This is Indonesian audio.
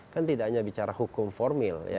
kan tidak hanya bicara hukum formil